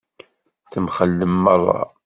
Temxellem meṛṛa.